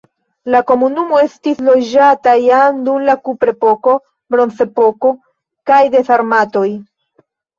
La komunumo estis loĝata jam dum la kuprepoko, bronzepoko kaj de sarmatoj.